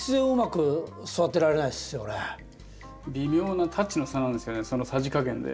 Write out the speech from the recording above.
微妙なタッチの差なんですよねさじ加減で。